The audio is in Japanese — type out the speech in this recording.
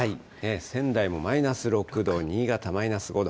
仙台もマイナス６度、新潟マイナス５度。